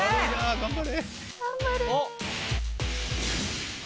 頑張れ！